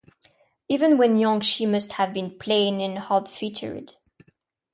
Even when young she must have been plain and hard-featured.